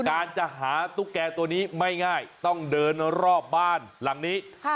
การจะหาตุ๊กแก่ตัวนี้ไม่ง่ายต้องเดินรอบบ้านหลังนี้